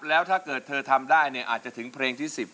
แล้วถ้าเกิดเธอทำได้เนี่ยอาจจะถึงเพลงที่๑๐